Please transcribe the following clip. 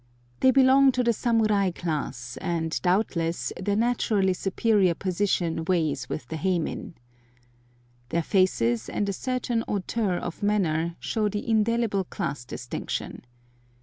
They belong to the samurai class, and, doubtless, their naturally superior position weighs with the heimin. Their faces and a certain hauteur of manner show the indelible class distinction.